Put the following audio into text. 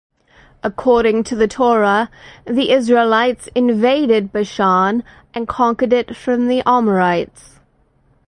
According to the Torah, the Israelites invaded Bashan and conquered it from the Amorites.